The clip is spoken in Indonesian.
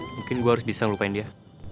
mungkin gue harus bisa melupain dia